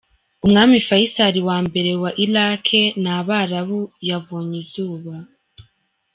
Umwami Faisal wa mbere wa Iraq n’abarabu yabonye izuba.